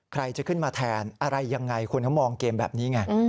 ใครจะขึ้นมาแทนอะไรยังไงคุณเขามองเกมแบบนี้ไง